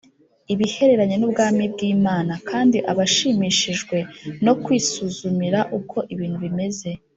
ibihereranye n Ubwami bw Imana kandi abashimishijwe no kwisuzumira uko ibintu bimeze